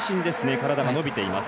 体が伸びています。